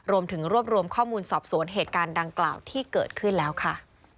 รวมถึงรวบรวมข้อมูลสอบสวนเหตุการณ์ดังกล่าวที่เกิดขึ้นแล้วค่ะ